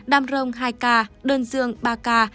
đam rông hai ca đơn dương ba ca